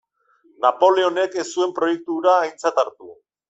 Napoleonek ez zuen proiektu hura aintzat hartu.